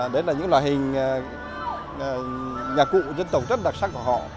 đấy là những loại hình nhạc cụ dân tộc rất đặc sắc của họ